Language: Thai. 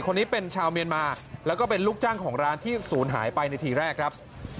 คนนี้เป็นชาวเมียนมาแล้วก็เป็นลูกจ้างของร้านที่ศูนย์หายไปในทีแรกครับ